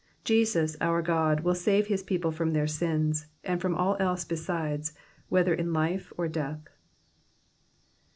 Jesus, our God J will save his people from their sins, and from all else besides, whether in life or death.